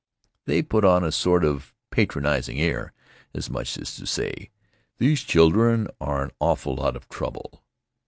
They put on a sort of patronizing air, as much as to say, "These children are an awful lot of trouble.